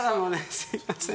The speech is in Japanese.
すみません。